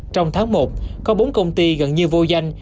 trong tháng một có bốn công ty gần như vô danh